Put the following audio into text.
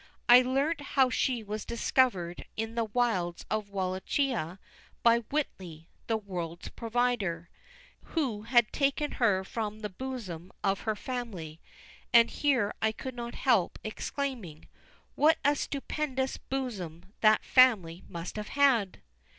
I learnt how she was discovered in the Wilds of Wallachia by Whiteley, the World's Provider, who had "taken her from the bosom of her family" and here I could not help exclaiming, "What a stupendous 'bosom' that 'family' must have had!"